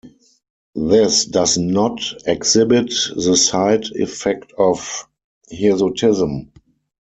This does not exhibit the side effect of hirsutism.